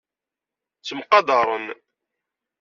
Ttemqadaren.